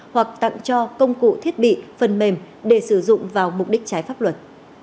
hoặc tặng cho công cụ thiết bị phần mềm để sử dụng vào mục đích trái pháp luật